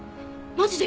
マジで！？